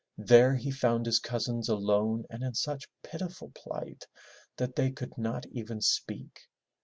There he found his cousins alone and in such pitiful plight that they could not even speak.